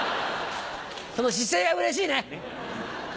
その姿勢がうれしいね。